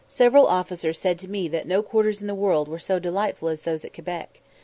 Several officers said to me that no quarters in the world were so delightful as those at Quebec.